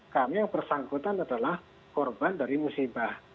karena yang bersangkutan adalah korban dari musibah